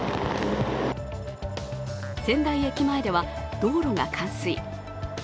仙台駅前では道路が冠水。